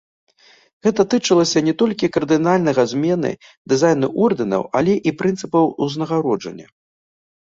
Гэта тычылася не толькі кардынальнага змены дызайну ордэнаў, але і прынцыпаў узнагароджання.